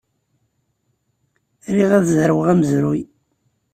Riɣ ad zerweɣ amezruy.